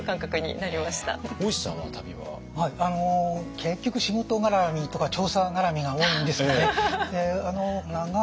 結局仕事がらみとか調査がらみが多いんですよね。